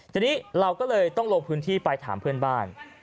ทีนี้เราก็เลยต้องลงพื้นที่ไปถามเพื่อนบ้าน